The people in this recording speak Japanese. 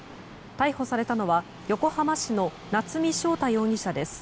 逮捕されたのは横浜市の夏見翔太容疑者です。